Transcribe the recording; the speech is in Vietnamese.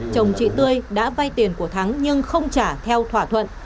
chồng chị tươi đã vay tiền của thắng nhưng không trả theo thỏa thuận